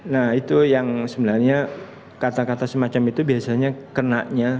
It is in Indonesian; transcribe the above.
nah itu yang sebenarnya kata kata semacam itu biasanya kenanya